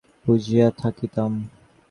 কূল দেখা যাইত না বলিয়া ভয়ে চোখ বুজিয়া থাকিতাম।